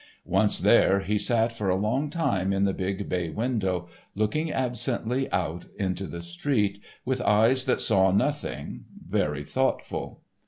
Once there, he sat for a long time in the big bay window, looking absently out into the street, with eyes that saw nothing, very thoughtful.